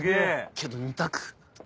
けど２択。